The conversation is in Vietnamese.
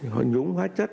họ nhúng hóa chất